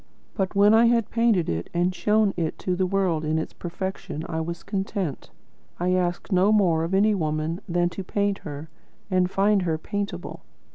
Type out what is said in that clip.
But when I had painted it and shown it to the world in its perfection, I was content. I asked no more of any woman than to paint her, and find her paintable.